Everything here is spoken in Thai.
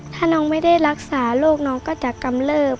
ถ้าน้องไม่ได้รักษาโรคน้องก็จะกำเลิบ